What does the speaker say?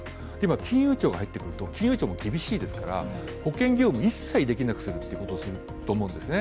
金融庁が入ってくると、金融庁も厳しいですから保険業務を一切できなくすると思うんですよね。